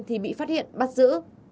thì bị phát hiện bắt giữ